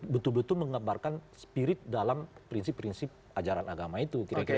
betul betul mengembarkan spirit dalam prinsip prinsip ajaran agama itu